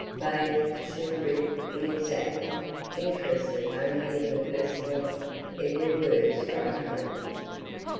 Vague, slippery, inexact, interested only in the personal every word struck home.